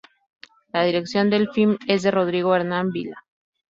La Dirección del film es de Rodrigo Hernán Vila.